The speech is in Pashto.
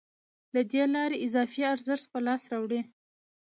له دې لارې اضافي ارزښت په لاس راوړي